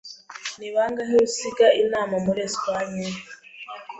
Ni bangahe usiga inama muri Espagne?